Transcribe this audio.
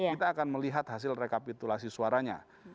kita akan melihat hasil rekapitulasi suaranya